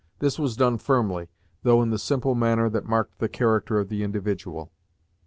This was done firmly, though in the simple manner that marked the character of the individual.